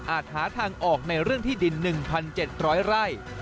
หาทางออกในเรื่องที่ดิน๑๗๐๐ไร่